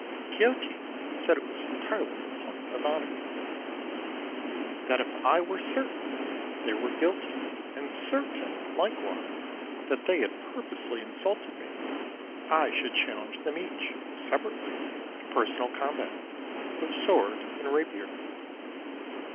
Quixote said it was entirely a point of honour. That if I were certain they were guilty, and certain likewise that they had purposely insulted me, I should challenge them each, separately, to personal combat, with sword and rapier.